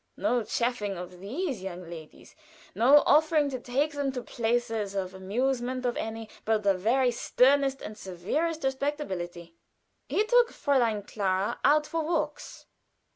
No chaffing of these young ladies no offering to take them to places of amusement of any but the very sternest and severest respectability. He took Fräulein Clara out for walks.